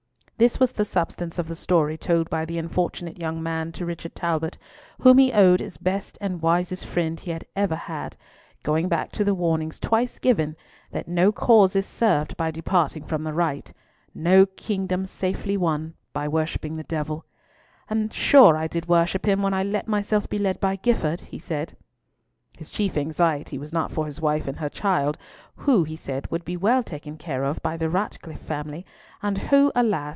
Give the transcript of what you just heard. This was the substance of the story told by the unfortunate young man to Richard Talbot, whom he owned as the best and wisest friend he had ever had—going back to the warnings twice given, that no cause is served by departing from the right; no kingdom safely won by worshipping the devil: "And sure I did worship him when I let myself be led by Gifford," he said. His chief anxiety was not for his wife and her child, who he said would be well taken care of by the Ratcliffe family, and who, alas!